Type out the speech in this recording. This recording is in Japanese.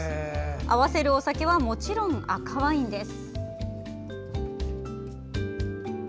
合わせるお酒はもちろん、赤ワインです。